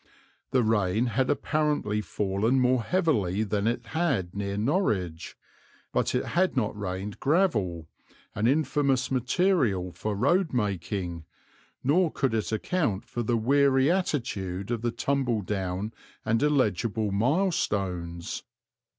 The rain had apparently fallen more heavily than it had near Norwich; but it had not rained gravel, an infamous material for roadmaking, nor could it account for the weary attitude of the tumble down and illegible milestones.